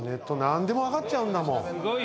何でも分かっちゃうんだもん。